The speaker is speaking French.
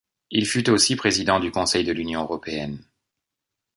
Il fut aussi président du Conseil de l'Union européenne.